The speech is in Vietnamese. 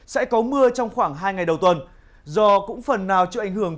sẽ có mưa trong khoảng hai ngày đầu tuần do cũng phần nào chịu ảnh hưởng